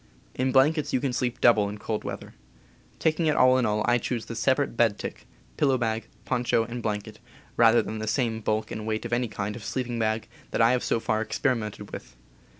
In blankets you can sleep double in cold weather. Taking it all in all, I choose the separate bed tick, pillow bag, pon cho, and blanket, rather than the same bulk and weight of any kind of sleeping bag that I have so far experimented with.